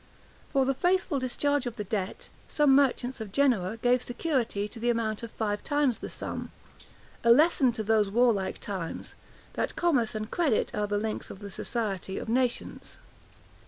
For the faithful discharge of the debt, some merchants of Genoa gave security to the amount of five times the sum; a lesson to those warlike times, that commerce and credit are the links of the society of nations.